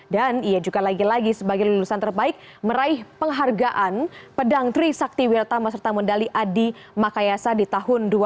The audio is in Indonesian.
dan dia juga lagi lagi sebagai lulusan terbaik meraih penghargaan pedang tri sakti wirtama serta mendali adi makayasa di tahun dua ribu